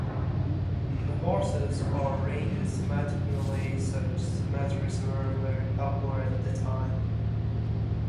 The horses are arranged symmetrically; such symmetries were very popular at the time.